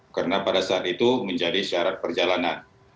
karena pada saat itu menjadi syarat perjalanan